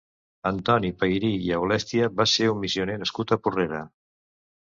Antoni Peyrí i Aulèstia va ser un missioner nascut a Porrera.